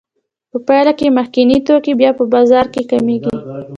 په پایله کې مخکیني توکي بیا په بازار کې کمېږي